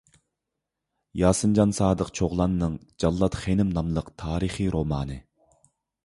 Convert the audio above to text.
ياسىنجان سادىق چوغلاننىڭ «جاللات خېنىم» ناملىق تارىخىي رومانى